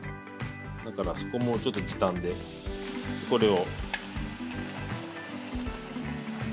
だからそこもちょっと時短でこれを。